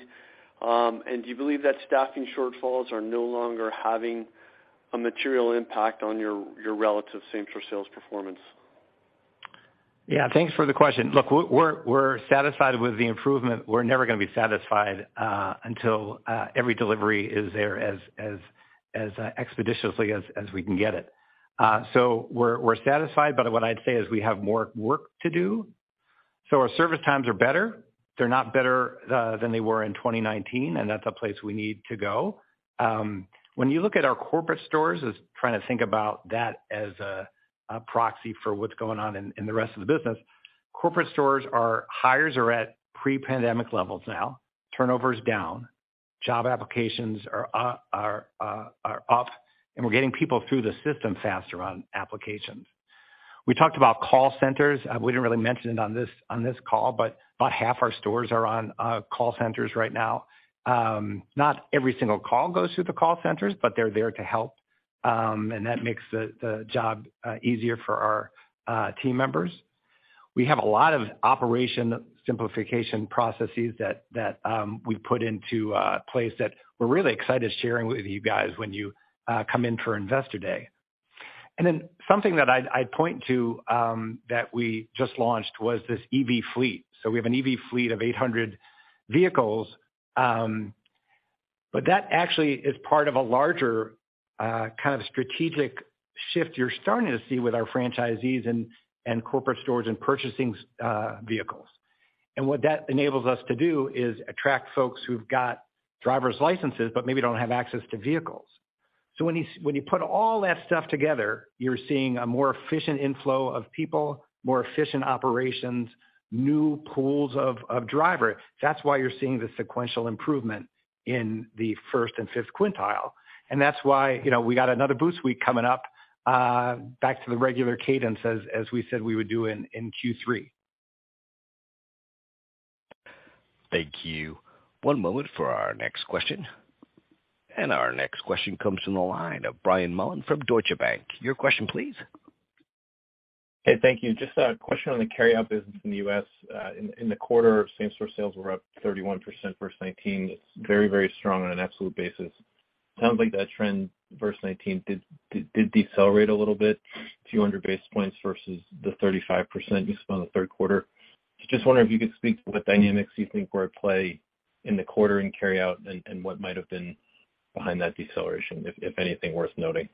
H: Do you believe that staffing shortfalls are no longer having a material impact on your relative same store sales performance?
C: Yeah. Thanks for the question. Look, we're satisfied with the improvement. We're never gonna be satisfied until every delivery is there as expeditiously as we can get it. We're satisfied, but what I'd say is we have more work to do. Our service times are better. They're not better than they were in 2019, and that's a place we need to go. When you look at our corporate stores, as trying to think about that as a proxy for what's going on in the rest of the business. Corporate stores hires are at pre-pandemic levels now. Turnover is down. Job applications are up, and we're getting people through the system faster on applications. We talked about call centers. We didn't really mention it on this, on this call, about half our stores are on call centers right now. Not every single call goes through the call centers, but they're there to help, and that makes the job easier for our team members. We have a lot of operation simplification processes that we put into place that we're really excited sharing with you guys when you come in for Investor Day. Something that I'd point to that we just launched was this EV fleet. We have an EV fleet of 800 vehicles. That actually is part of a larger kind of strategic shift you're starting to see with our franchisees and corporate stores in purchasing vehicles. What that enables us to do is attract folks who've got driver's licenses but maybe don't have access to vehicles. When you put all that stuff together, you're seeing a more efficient inflow of people, more efficient operations, new pools of drivers. That's why you're seeing the sequential improvement in the first and fifth quintile, and that's why, you know, we got another boost week coming up, back to the regular cadence as we said we would do in Q3.
A: Thank you. One moment for our next question. Our next question comes from the line of Brian Mullan from Deutsche Bank. Your question please.
I: Hey, thank you. Just a question on the carryout business in the U.S. In, in the quarter, same store sales were up 31% versus 2019. It's very, very strong on an absolute basis. Sounds like that trend versus 2019 did decelerate a little bit, 200 basis points versus the 35% you saw in the third quarter. Just wondering if you could speak to what dynamics you think were at play in the quarter in carryout and what might have been behind that deceleration, if anything worth noting.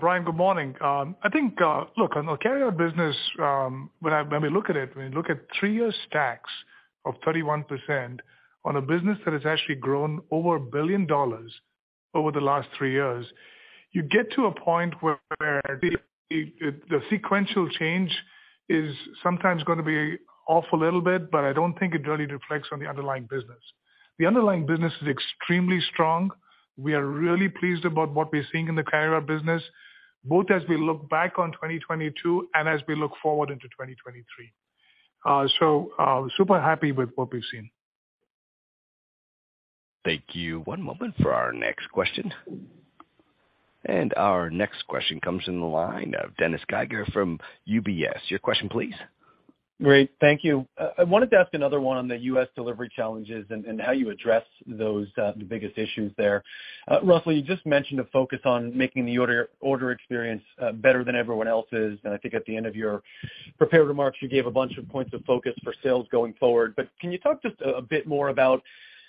D: Brian, good morning. I think, look, on the carryout business, when we look at it, when you look at three-year stacks of 31% on a business that has actually grown over $1 billion over the last three years, you get to a point where the, the sequential change is sometimes gonna be off a little bit, but I don't think it really reflects on the underlying business. The underlying business is extremely strong. We are really pleased about what we're seeing in the carryout business, both as we look back on 2022 and as we look forward into 2023. So, super happy with what we've seen.
A: Thank you. One moment for our next question. Our next question comes from the line of Dennis Geiger from UBS. Your question please.
J: Great. Thank you. I wanted to ask another one on the U.S. delivery challenges and how you address those, the biggest issues there. Russell, you just mentioned a focus on making the order experience better than everyone else's. I think at the end of your prepared remarks, you gave a bunch of points of focus for sales going forward. Can you talk just a bit more about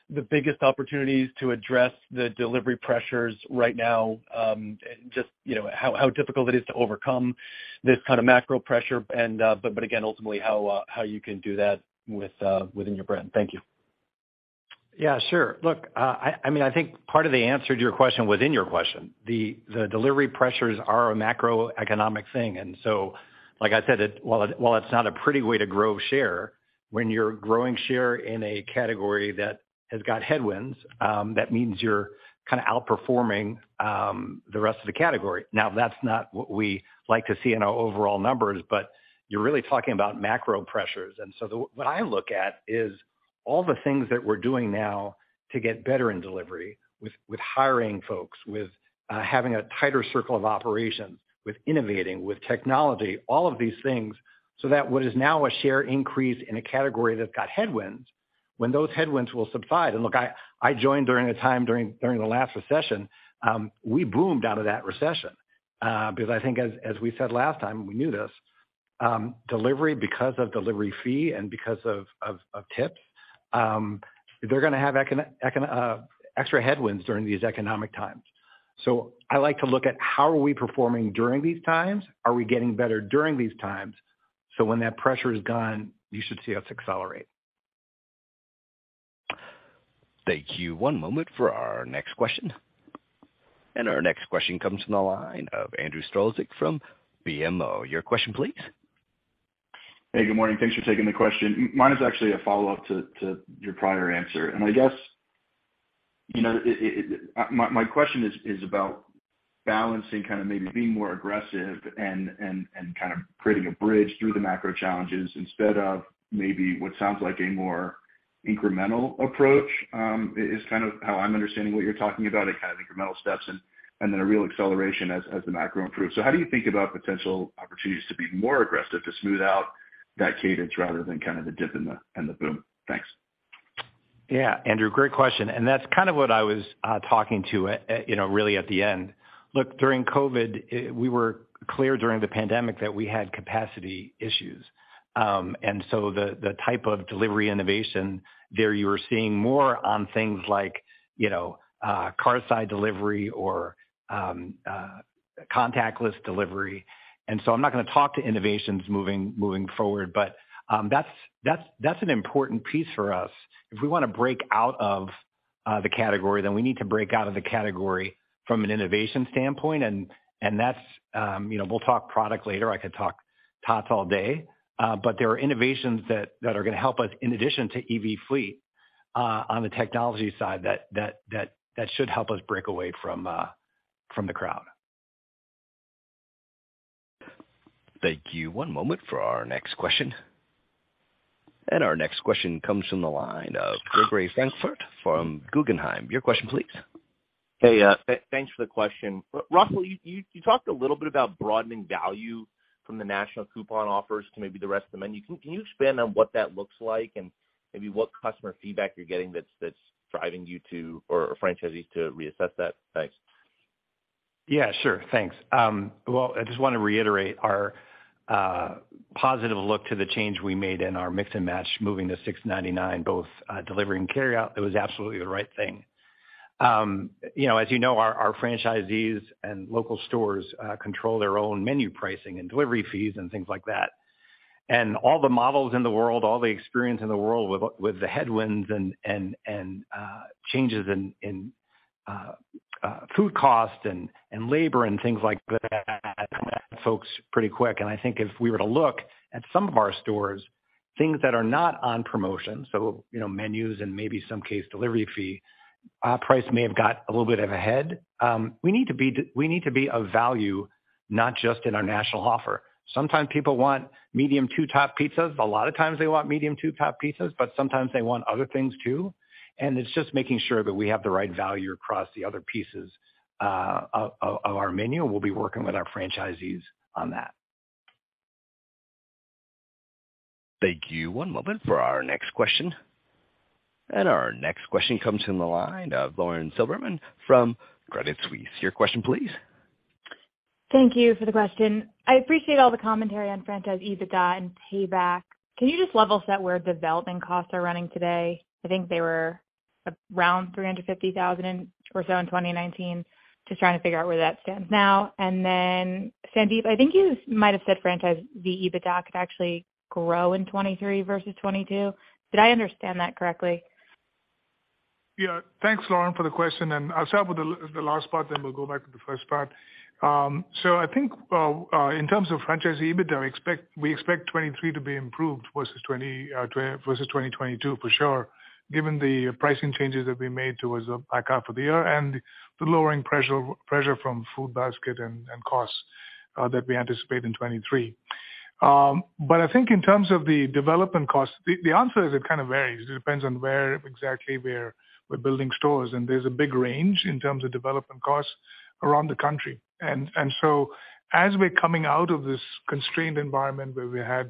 J: the biggest opportunities to address the delivery pressures right now? just, you know, how difficult it is to overcome this kind of macro pressure and again, ultimately how you can do that with within your brand. Thank you. Yeah, sure. Look, I mean, I think part of the answer to your question was in your question. The delivery pressures are a macroeconomic thing.
C: Like I said, while it's not a pretty way to grow share, when you're growing share in a category that has got headwinds, that means you're kinda outperforming the rest of the category. Now, that's not what we like to see in our overall numbers, but you're really talking about macro pressures. What I look at is. All the things that we're doing now to get better in delivery with hiring folks, with having a tighter circle of operations, with innovating, with technology, all of these things, so that what is now a share increase in a category that got headwinds, when those headwinds will subside. Look, I joined during a time during the last recession, we boomed out of that recession, because I think as we said last time, we knew this, delivery because of delivery fee and because of tips, they're gonna have extra headwinds during these economic times. I like to look at how are we performing during these times? Are we getting better during these times? When that pressure is gone, you should see us accelerate.
A: Thank you. One moment for our next question. Our next question comes from the line of Andrew Strelzik from BMO. Your question please.
K: Hey, good morning. Thanks for taking the question. Mine is actually a follow-up to your prior answer. I guess, you know, it, my question is about balancing kind of maybe being more aggressive and kind of creating a bridge through the macro challenges instead of maybe what sounds like a more incremental approach, is kind of how I'm understanding what you're talking about. A kind of incremental steps and then a real acceleration as the macro improves. How do you think about potential opportunities to be more aggressive to smooth out that cadence rather than kind of the dip and the boom? Thanks.
C: Yeah, Andrew, great question. That's kind of what I was talking to, you know, really at the end. Look, during COVID, we were clear during the pandemic that we had capacity issues. The type of delivery innovation there you were seeing more on things like, you know, curbside delivery or contactless delivery. I'm not gonna talk to innovations moving forward, but that's an important piece for us. If we wanna break out of the category, then we need to break out of the category from an innovation standpoint. That's. You know, we'll talk product later. I could talk Tots all day. There are innovations that are gonna help us in addition to EV fleet, on the technology side that should help us break away from the crowd.
A: Thank you. One moment for our next question. Our next question comes from the line of Gregory Francfort from Guggenheim. Your question please.
L: Hey, thanks for the question. Russell, you talked a little bit about broadening value from the national coupon offers to maybe the rest of the menu. Can you expand on what that looks like and maybe what customer feedback you're getting that's driving you to, or franchisees to reassess that? Thanks.
C: Yeah, sure. Thanks. Well, I just wanna reiterate our positive look to the change we made in our Mix & Match, moving to $6.99, both delivery and carryout. It was absolutely the right thing. You know, as you know, our franchisees and local stores control their own menu pricing and delivery fees and things like that. All the models in the world, all the experience in the world with the headwinds and changes in food costs and labor and things like that, folks pretty quick. I think if we were to look at some of our stores, things that are not on promotion, so, you know, menus and maybe some case delivery fee, our price may have got a little bit of a head. We need to be of value not just in our national offer. Sometimes people want medium two-top pizzas. A lot of times they want medium two-top pizzas, sometimes they want other things too, it's just making sure that we have the right value across the other pieces of our menu, we'll be working with our franchisees on that.
A: Thank you. One moment for our next question. Our next question comes from the line of Lauren Silberman from Credit Suisse. Your question please.
M: Thank you for the question. I appreciate all the commentary on franchise EBITDA and payback. Can you just level set where development costs are running today? I think they were around $350,000 or so in 2019. Just trying to figure out where that stands now. Sandeep, I think you might have said franchise, the EBITDA could actually grow in 2023 versus 2022. Did I understand that correctly?
D: Yeah. Thanks, Lauren, for the question, and I'll start with the last part, then we'll go back to the first part. I think in terms of franchise EBITDA, we expect 23 to be improved versus 2022 for sure, given the pricing changes that we made towards the back half of the year and the lowering pressure from food basket and costs that we anticipate in 23. I think in terms of the development costs, the answer is it kind of varies. It depends on where exactly we're building stores, and there's a big range in terms of development costs around the country. As we're coming out of this constrained environment where we had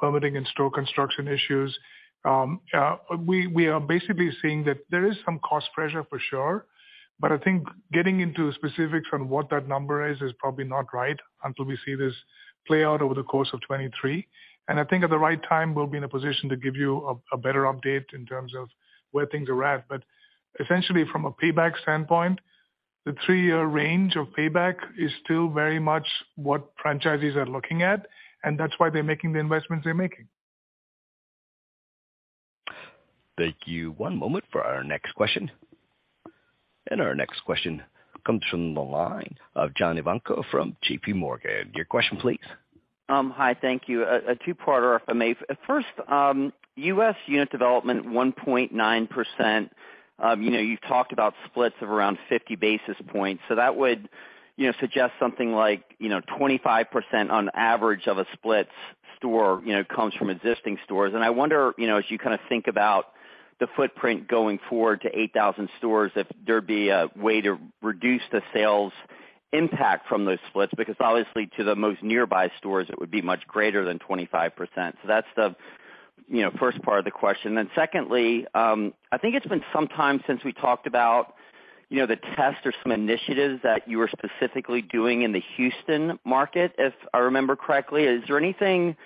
D: permitting and store construction issues, we are basically seeing that there is some cost pressure for sure. I think getting into specifics on what that number is probably not right until we see this play out over the course of 23. I think at the right time, we'll be in a position to give you a better update in terms of where things are at. Essentially from a payback standpoint, the three-year range of payback is still very much what franchisees are looking at, and that's why they're making the investments they're making.
A: Thank you. One moment for our next question. Our next question comes from the line of John Ivankoe from JPMorgan. Your question please.
N: Hi. Thank you. A two-parter if I may. First, U.S. unit development 1.9% You know, you've talked about splits of around 50 basis points, so that would, you know, suggest something like, you know, 25% on average of a split store, you know, comes from existing stores. I wonder, you know, as you kind of think about the footprint going forward to 8,000 stores, if there'd be a way to reduce the sales impact from those splits because obviously, to the most nearby stores, it would be much greater than 25%. That's the, you know, first part of the question. Secondly, I think it's been some time since we talked about, you know, the test or some initiatives that you were specifically doing in the Houston market, if I remember correctly. Is there anything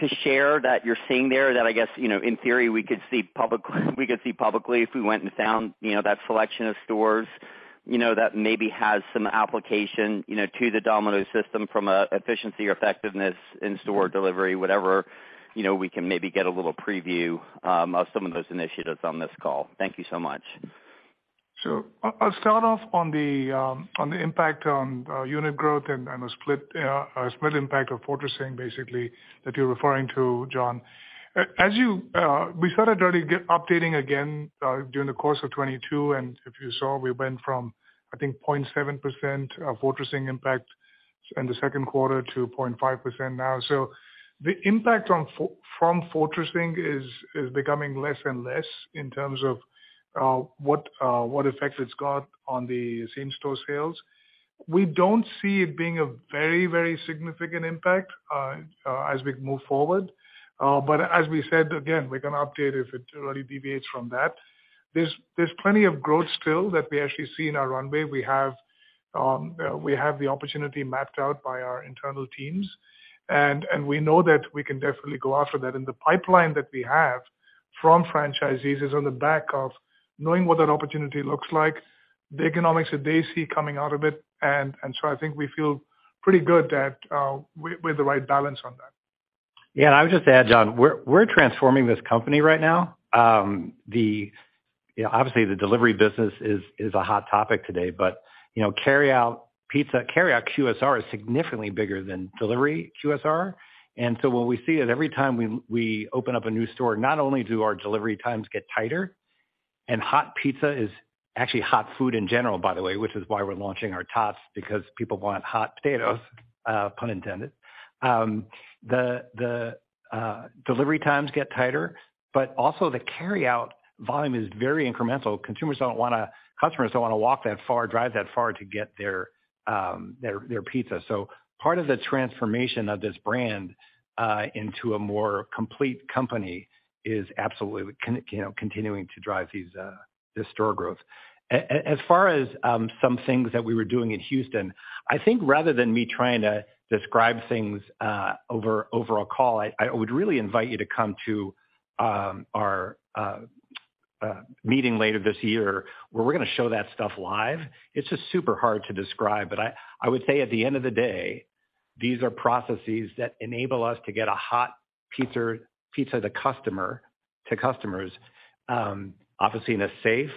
N: to share that you're seeing there that I guess, you know, in theory we could see publicly if we went and found, you know, that selection of stores, you know, that maybe has some application, you know, to the Domino's system from a efficiency or effectiveness in store delivery, whatever, you know, we can maybe get a little preview of some of those initiatives on this call. Thank you so much.
D: I'll start off on the impact on unit growth and a split impact of fortressing basically, that you're referring to, John. We started already updating again during the course of 2022, and if you saw, we went from, I think 0.7% of fortressing impact in the second quarter to 0.5% now. The impact from fortressing is becoming less and less in terms of what effect it's got on the same-store sales. We don't see it being a very significant impact as we move forward. As we said, again, we're gonna update if it really deviates from that. There's plenty of growth still that we actually see in our runway. We have the opportunity mapped out by our internal teams. We know that we can definitely go after that. The pipeline that we have from franchisees is on the back of knowing what that opportunity looks like, the economics that they see coming out of it. I think we feel pretty good that we have the right balance on that.
C: I would just add, John, we're transforming this company right now. The, you know, obviously the delivery business is a hot topic today, you know, carryout QSR is significantly bigger than delivery QSR. What we see is every time we open up a new store, not only do our delivery times get tighter and hot pizza is, hot food in general, by the way, which is why we're launching our tots, because people want hot potatoes, pun intended. The delivery times get tighter, also the carryout volume is very incremental. Customers don't wanna walk that far, drive that far to get their pizza. Part of the transformation of this brand, into a more complete company is absolutely you know, continuing to drive these, the store growth. As far as, some things that we were doing in Houston, I think rather than me trying to describe things, over a call, I would really invite you to come to our meeting later this year where we're gonna show that stuff live. It's just super hard to describe. I would say at the end of the day, these are processes that enable us to get a hot pizza to customers, obviously in a safe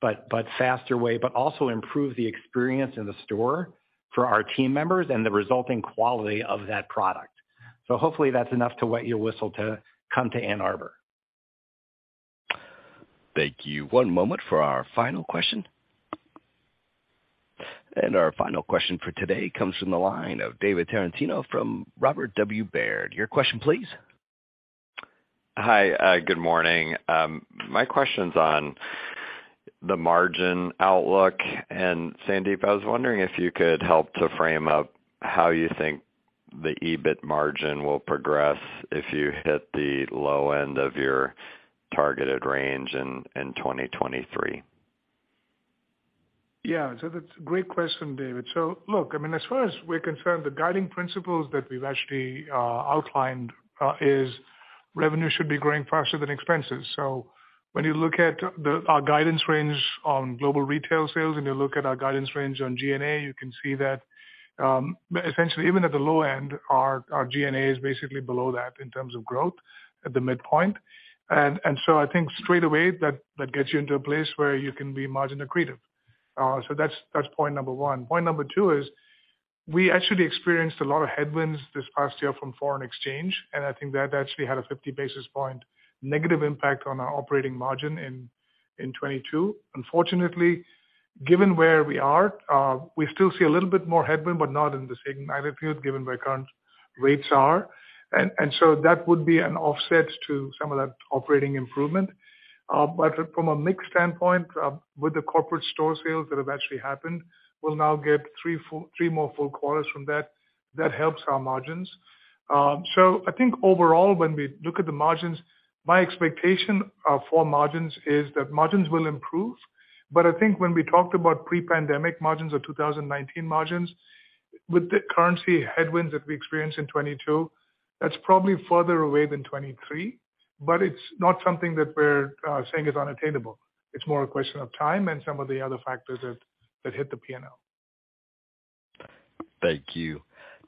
C: but faster way, but also improve the experience in the store for our team members and the resulting quality of that product. Hopefully, that's enough to wet your whistle to come to Ann Arbor.
A: Thank you. One moment for our final question. Our final question for today comes from the line of David Tarantino from Robert W. Baird. Your question please.
O: Hi, good morning. My question's on the margin outlook. Sandeep, I was wondering if you could help to frame up how you think the EBIT margin will progress if you hit the low end of your targeted range in 2023.
D: Yeah. That's a great question, David. I mean, as far as we're concerned, the guiding principles that we've actually outlined is revenue should be growing faster than expenses. When you look at our guidance range on global retail sales and you look at our guidance range on G&A, you can see that essentially, even at the low end, our G&A is basically below that in terms of growth at the midpoint. I think straight away that gets you into a place where you can be margin accretive. That's point number one. Point number two is we actually experienced a lot of headwinds this past year from foreign exchange, and I think that actually had a 50 basis point negative impact on our operating margin in 2022. Unfortunately, given where we are, we still see a little bit more headwind, but not in the same magnitude given where current rates are. That would be an offset to some of that operating improvement. From a mix standpoint, with the corporate store sales that have actually happened, we'll now get three more full quarters from that. That helps our margins. I think overall, when we look at the margins, my expectation for margins is that margins will improve. I think when we talked about pre-pandemic margins or 2019 margins, with the currency headwinds that we experienced in 2022, that's probably further away than 2023, but it's not something that we're saying is unattainable. It's more a question of time and some of the other factors that hit the P&L.
A: Thank you.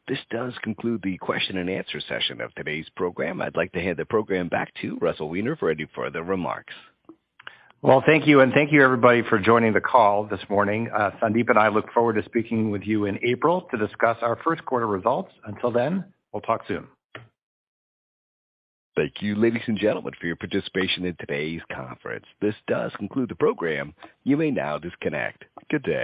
A: This does conclude the question and answer session of today's program. I'd like to hand the program back to Russell Weiner for any further remarks.
C: Well, thank you, thank you everybody for joining the call this morning. Sandeep and I look forward to speaking with you in April to discuss our first quarter results. Until then, we'll talk soon.
A: Thank you, ladies and gentlemen, for your participation in today's conference. This does conclude the program. You may now disconnect. Good day.